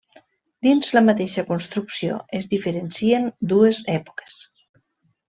Dins la mateixa construcció es diferencien dues èpoques.